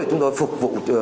chúng tôi phục vụ